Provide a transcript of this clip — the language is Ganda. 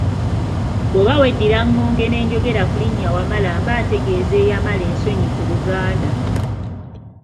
Bw’oba weddira ŋŋonge ne njogera ku linnya Wamala mbantegeeza eyamala ensonyi ku Buganda.